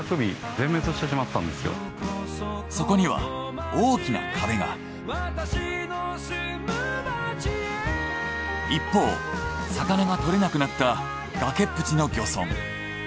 そこには大きな壁が。一方魚が獲れなくなった崖っぷちの漁村。